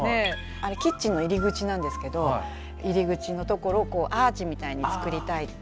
あれキッチンの入り口なんですけど入り口の所をアーチみたいに作りたいって。